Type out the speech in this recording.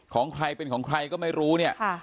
ของใครเป็นของใครก็ไม่รู้เนี่ย